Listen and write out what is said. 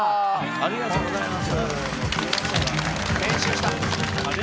ありがとうございます。